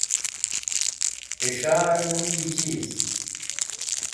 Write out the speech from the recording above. Ti S̃hare nuñgi Cheez?